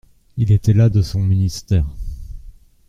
Il était las de son ministère.